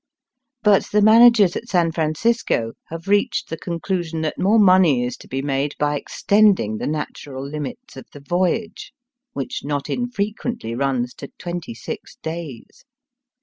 But the managers at San Francisco have reached the conclusion that more money is to be made by extending the natural limits of the voyage, which not infrequerltly runs to twenty six days.